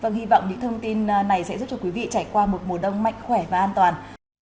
vâng hy vọng những thông tin này sẽ giúp cho quý vị trải qua một mùa đông mạnh khỏe và an toàn